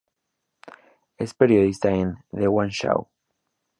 Es periodista en "The One Show".